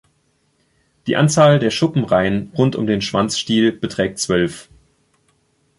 Die Anzahl der Schuppenreihen rund um den Schwanzstiel beträgt zwölf.